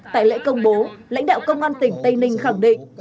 tại lễ công bố lãnh đạo công an tỉnh tây ninh khẳng định